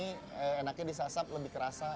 ini enaknya disasap lebih kerasa